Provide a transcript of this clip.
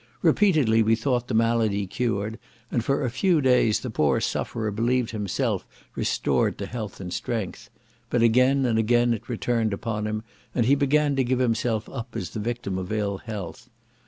Repeatedly we thought the malady cured, and for a few days the poor sufferer believed himself restored to health and strength; but again and again it returned upon him, and he began to give himself up as the victim of ill health.